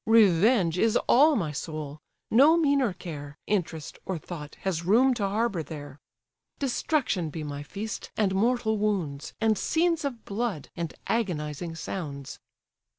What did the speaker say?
Revenge is all my soul! no meaner care, Interest, or thought, has room to harbour there; Destruction be my feast, and mortal wounds, And scenes of blood, and agonizing sounds."